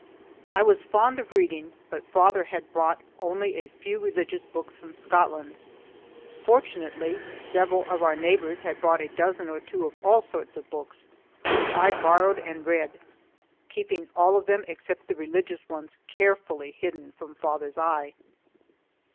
I was fond of reading, but father had brought only a few religious books from Scotland. Fortunately, several of our neighbors had brought a dozen or two of all sorts of books, which I borrowed and read, keeping all of them except the religious ones carefully hidden from father's eye.